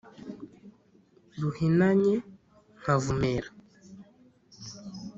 ruhinanye nkavumera;